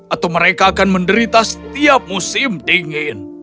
atau mereka akan menderita setiap musim dingin